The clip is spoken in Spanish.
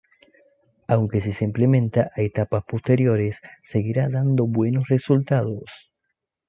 Aunque si se implementa a etapas posteriores, seguirá dando buenos resultados.